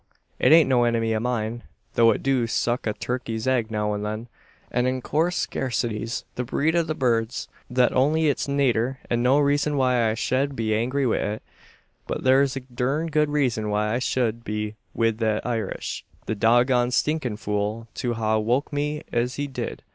It ain't no enemy o' mine; though it do suck a turkey's egg now an then, an in coorse scarcities the breed o' the birds. Thet air only its nater, an no reezun why I shed be angry wi' it. But thur's a durned good reezun why I shed be wi' thet Irish the dog goned, stinkin' fool, to ha' woke me es he dud!